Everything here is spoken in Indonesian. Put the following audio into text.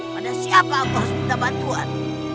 pada siapa kau harus minta bantuan